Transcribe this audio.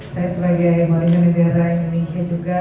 saya sebagai warga negara indonesia juga